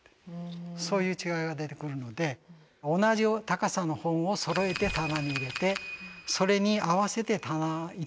そういう違いが出てくるので同じ高さの本をそろえて棚に入れてそれに合わせて棚板の幅も決める。